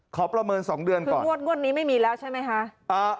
ประเมิน๒เดือนก่อนงวดนี้ไม่มีแล้วใช่ไหมคะ